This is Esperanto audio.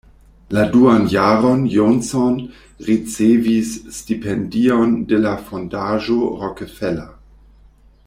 La duan jaron Johnson ricevis stipendion de la fondaĵo Rockefeller.